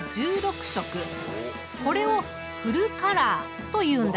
これをフルカラーというんだ。